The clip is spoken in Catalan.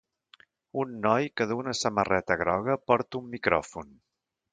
Un noi que duu una samarreta groga porta un micròfon.